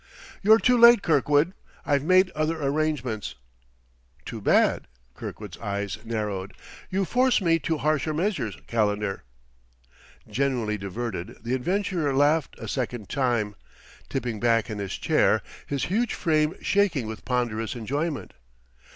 You're too late, Kirkwood; I've made other arrangements." "Too bad." Kirkwood's eyes narrowed. "You force me to harsher measures, Calendar." Genuinely diverted, the adventurer laughed a second time, tipping back in his chair, his huge frame shaking with ponderous enjoyment.